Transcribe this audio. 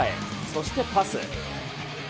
そしてパス。